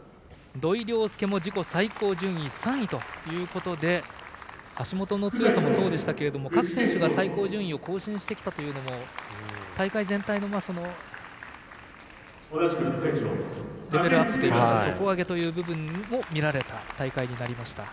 土井陵輔も自己最高順位３位ということで橋本の強さもそうでしたけど各選手が最高順位を更新してきたというのも大会全体のレベルアップといいますか底上げという部分も見られた大会になりました。